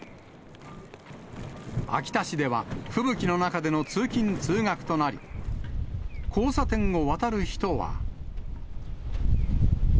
秋田市では、吹雪の中での通勤・通学となり、交差点を渡る人は。